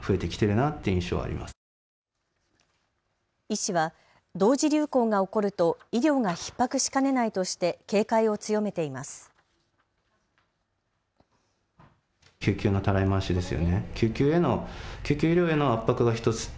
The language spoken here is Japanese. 医師は同時流行が起こると医療がひっ迫しかねないとして警戒を強めています。